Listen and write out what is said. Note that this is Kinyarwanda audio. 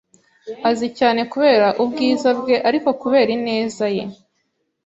Azwi cyane kubera ubwiza bwe, ariko kubera ineza ye.